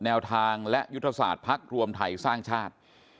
แนวทางและยุทธศาสตร์ภักดิ์รวมไทยสร้างชาติ